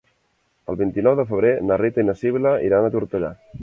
El vint-i-nou de febrer na Rita i na Sibil·la iran a Tortellà.